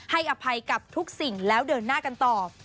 อภัยกับทุกสิ่งแล้วเดินหน้ากันต่อ